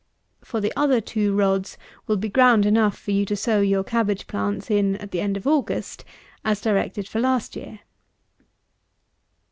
For the other two rods will be ground enough for you to sow your cabbage plants in at the end of August, as directed for last year.